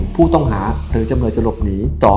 ผู้ต้องหาหรือจำเลยจะหลบหนีต่อ